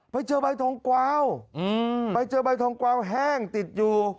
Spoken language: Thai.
ไปเจอใบทองกวาวไปเจอใบทองกวาวแห้งติดอยู่